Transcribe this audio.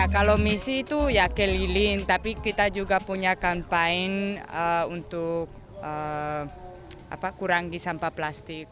kalau misi itu ya keliling tapi kita juga punya kampanye untuk kurangi sampah plastik